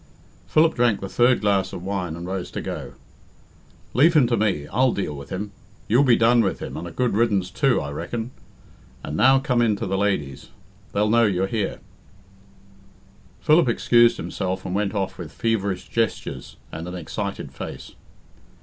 Philip drank the third glass of wine and rose to go. "Leave him to me I'll deal with him. You'll be done with him, and a good riddance, too, I reckon. And now come in to the ladies they'll know you're here." Philip excused himself and went off with feverish gestures and an excited face.